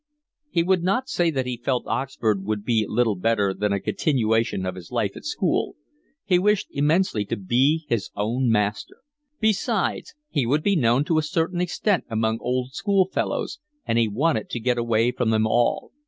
He would not say that he felt Oxford would be little better than a continuation of his life at school. He wished immensely to be his own master. Besides he would be known to a certain extent among old schoolfellows, and he wanted to get away from them all.